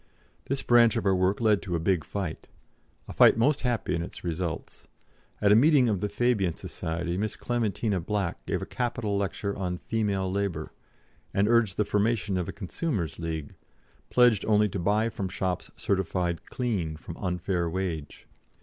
This branch of our work led to a big fight a fight most happy in its results. At a meeting of the Fabian Society, Miss Clementina Black gave a capital lecture on Female Labour, and urged the formation of a Consumers' League, pledged only to buy from shops certificated "clean" from unfair wage.